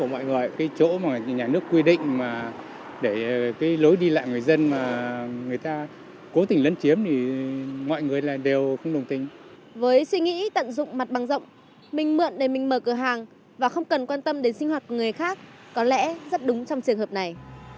mình mượn để mình mở cửa hàng và không cần quan tâm đến sinh hoạt của người khác có lẽ rất đúng trong trường hợp này